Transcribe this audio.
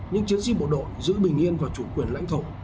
những chiến sĩ bộ đội giữ bình yên và chủ quyền lãnh thổ